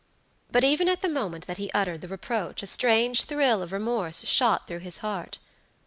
But even at the moment that he uttered the reproach a strange thrill of remorse shot through his heart.